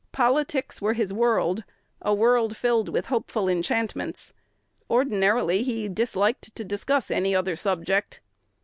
Politics were his world, a world filled with hopeful enchantments. Ordinarily he disliked to discuss any other subject.